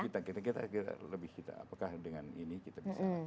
apakah dengan ini kita bisa melakukan itu